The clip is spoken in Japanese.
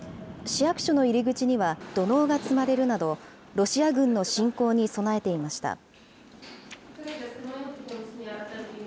市役所の入り口には、土のうが積まれるなど、ロシア軍の侵攻に備えていました。